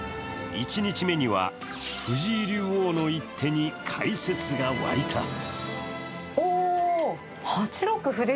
１日目には藤井竜王の一手に解説が沸いた。